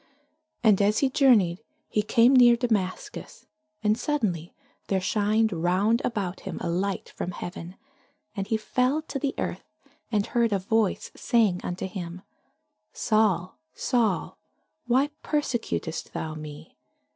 And as he journeyed, he came near Damascus: and suddenly there shined round about him a light from heaven: and he fell to the earth, and heard a voice saying unto him, Saul, Saul, why persecutest thou me?